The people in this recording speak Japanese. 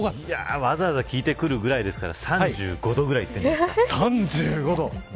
わざわざ聞いてくるぐらいですから、３５度くらいじゃないですか。